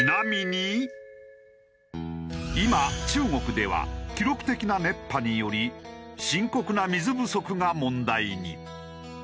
今中国では記録的な熱波により深刻な水不足が問題に。